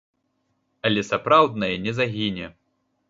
Але сапраўднае не загіне.